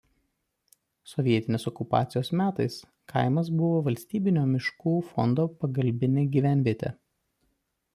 Sovietinės okupacijos metais kaimas buvo Valstybinio miškų fondo pagalbinė gyvenvietė.